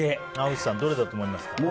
濱口さん、どれだと思いますか？